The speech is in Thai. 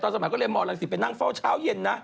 ตอนสมัยก็เรียนมลังศิษย์ไปนั่งเฝ้าเช้าเย็นนะ